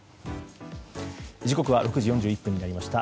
時刻は６時４１分になりました。